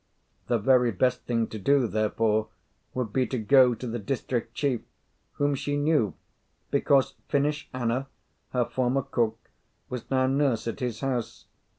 The very best thing to do, therefore, would be to go to the district chief, whom she knew, because Finnish Anna, her former cook, was now nurse at his house.